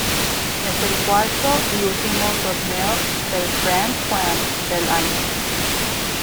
Es el cuarto y último torneo del Grand Slam del año.